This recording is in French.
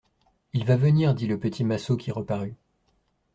Il va venir, dit le petit Massot qui reparut.